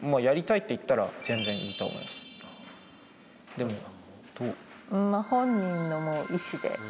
でもどう？